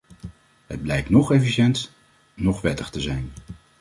Het blijkt noch efficiënt, noch wettig te zijn.